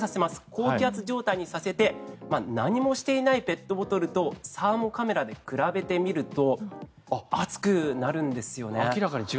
高気圧状態にさせて何もしていないペットボトルとサーモカメラで比べてみると熱くなるんですよね。